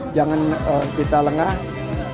jangan lupa untuk berlangganan